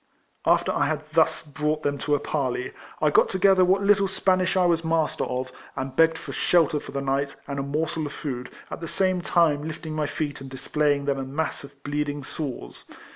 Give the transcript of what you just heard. After ] liad tlius broujrht them to a parley, I got together what little Spanish I was master of, and begged for shelter for the night and a morsel of food, at the same time lifting my feet and displaying them a mass of bleeding sores.